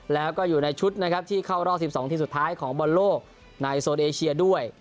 แล้วก็อยู่ในชุดนะครับที่เข้ารอบ๑๒ทีมสุดท้ายของบอลโลกในโซนเอเชียด้วย